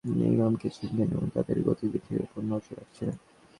Police জানিয়েছে, হামলাকারী ইমামকে চিনতেন এবং তাঁদের গতিবিধির ওপর নজর রাখছিলেন।